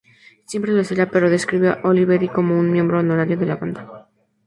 Siempre lo será" pero describió a Oliveri como "un miembro honorario de la banda".